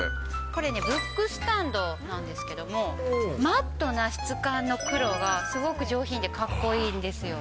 これね、ブックスタンドなんですけども、マットな質感の黒がすごく上品で、かっこいいんですよ。